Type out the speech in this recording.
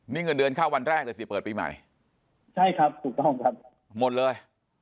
นี่เงินเดือนเข้าวันแรกเลยสิเปิดปีใหม่ใช่ครับถูกต้องครับหมดเลย